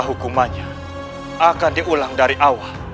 hukumannya akan diulang dari awal